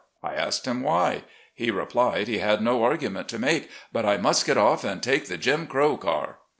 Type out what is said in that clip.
I asked him why. He replied, he had no argument to make, but « I must get off and take the Jim Crow Car."